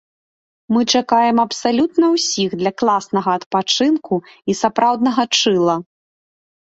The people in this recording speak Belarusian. Мы чакаем абсалютна ўсіх для класнага адпачынку і сапраўднага чылла!